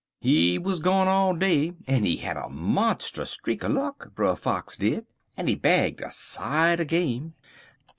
He wuz gone all day, en he had a monstus streak er luck, Brer Fox did, en he bagged a sight er game.